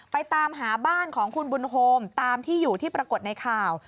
ตามหาบ้านของคุณบุญโฮมตามที่อยู่ที่ปรากฏในข่าว